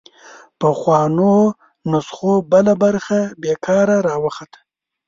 پخوانو نسخو بله برخه بېکاره راوخته